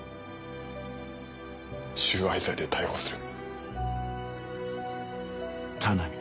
収賄罪で逮捕する。